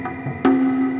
ini apa sih